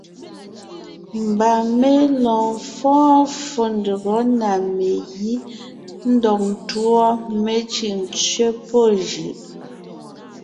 Mbà mé lɔɔn fɔ́ɔn ffó ndÿɔgɔ́ na megǐ ńdɔg ńtuɔ, mé cʉ́ʼ ńtsẅé pɔ́ jʉʼ.